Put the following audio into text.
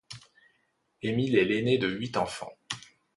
Émile est l'aîné de huit enfants.